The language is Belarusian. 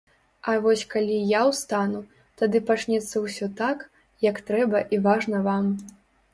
А вось калі я ўстану, тады пачнецца ўсё так, як трэба і важна вам.